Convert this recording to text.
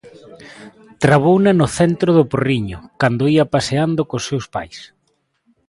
Trabouna no centro do Porriño, cando ía paseando cos seus pais.